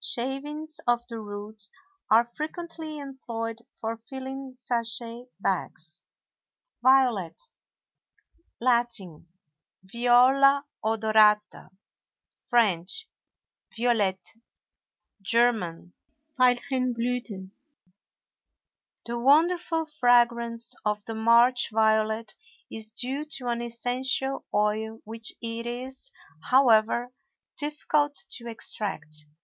Shavings of the root are frequently employed for filling sachet bags. VIOLET. Latin—Viola odorata; French—Violette; German—Veilchenblüthen. The wonderful fragrance of the March violet is due to an essential oil which it is, however, difficult to extract.